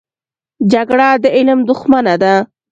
جګړه د علم دښمنه ده